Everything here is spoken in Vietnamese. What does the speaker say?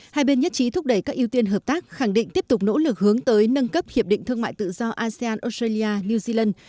hai bên nhất trí thúc đẩy các ưu tiên hợp tác khẳng định tiếp tục nỗ lực hướng tới nâng cấp hiệp định thương mại tự do asean australia new zealand